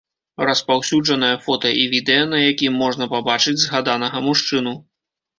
Распаўсюджанае фота і відэа, на якім можна пабачыць згаданага мужчыну.